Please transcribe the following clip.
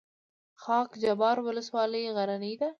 خاک جبار ولسوالۍ غرنۍ ده؟